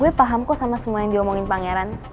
gue paham kok sama semua yang diomongin pangeran